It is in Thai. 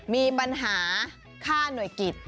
มีปัญหาค่าหน่วยกิจ